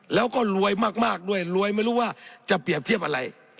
แล้วก็รวยมากด้วยรวยไม่รู้ว่าจะเปรียบเทียบอะไร